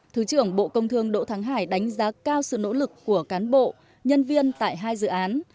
thứ trưởng bộ công thương đỗ thắng hải đánh giá cao sự nỗ lực của cán bộ nhân viên tại hai dự án